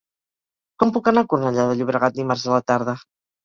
Com puc anar a Cornellà de Llobregat dimarts a la tarda?